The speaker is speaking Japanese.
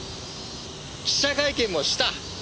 記者会見もした。